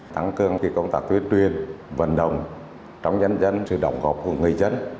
thắng cương công tác tuyên truyền vận động trong nhân dân sự đồng hợp của người dân